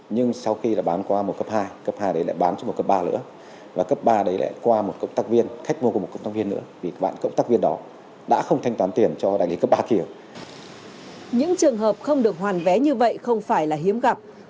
những trường hợp không được hoàn vé như vậy không phải là hiếm gặp